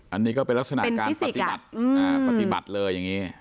อันนี้ก็เป็นลักษณะการปฏิบัติปฏิบัติเลยอย่างนี้